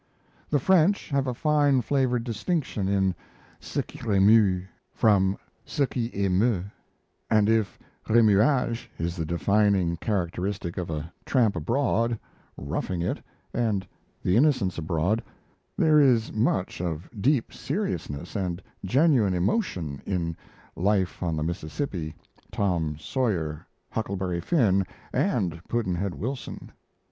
The French have a fine flavoured distinction in ce qui remue from ce qui emeut; and if remuage is the defining characteristic of 'A Tramp Abroad', 'Roughing It', and 'The Innocents Abroad', there is much of deep seriousness and genuine emotion in 'Life on the Mississippi', 'Tom Sawyer', 'Huckleberry Finn', and 'Pudd'nhead Wilson'.